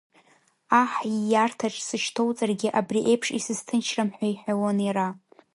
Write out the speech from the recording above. Аҳ ииарҭаҿ сышьҭоуҵаргьы абри еиԥш исызҭынчрам ҳәа иҳәалон иара.